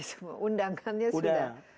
semua undangannya sudah